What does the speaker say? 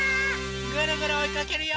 ぐるぐるおいかけるよ！